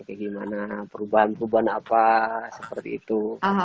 kayak gimana perubahan perubahan apa seperti itu